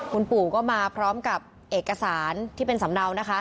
คุณปู่ก็มาพร้อมกับเอกสารที่เป็นสำเนานะคะ